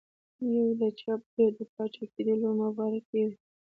یو د پاچاکېدلو مبارکي وي.